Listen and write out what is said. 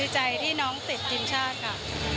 ใจที่น้องติดทีมชาติค่ะ